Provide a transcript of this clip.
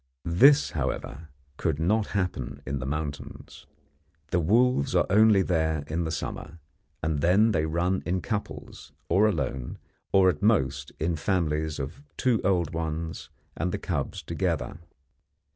This, however, could not happen in the mountains. The wolves are only there in the summer, and then they run in couples, or alone, or at most in families of two old ones and the cubs together.